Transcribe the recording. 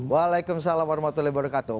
waalaikumsalam warahmatullahi wabarakatuh